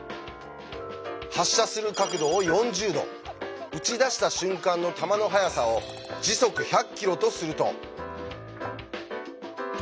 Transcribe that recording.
発射する角度を４０度撃ち出した瞬間の弾の速さを時速１００キロとすると。